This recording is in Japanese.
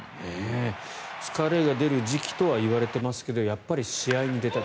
疲れが出る時期とはいわれていますがやっぱり試合に出たい。